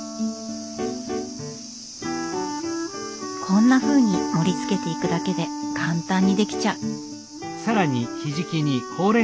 こんなふうに盛りつけていくだけで簡単にできちゃう。